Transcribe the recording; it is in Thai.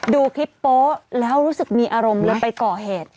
ดูคลิปโป๊ะแล้วรู้สึกมีอารมณ์เลยไปก่อเหตุ